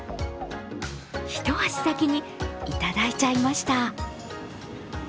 一足先にいただいちゃいました。